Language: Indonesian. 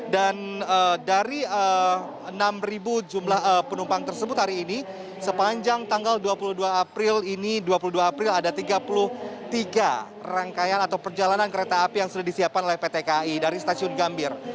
dan dari enam jumlah penumpang tersebut hari ini sepanjang tanggal dua puluh dua april ini dua puluh dua april ada tiga puluh tiga rangkaian atau perjalanan kereta api yang sudah disiapkan oleh pt kai dari stasiun gambir